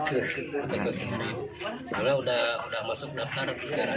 sebenarnya sudah masuk daftar